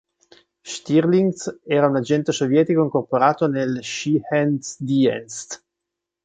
Stirlitz era un agente sovietico incorporato nel Sicherheitsdienst.